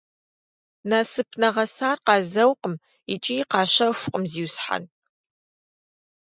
Насып нэгъэсар къазэукъым икӀи къащэхукъым, зиусхьэн.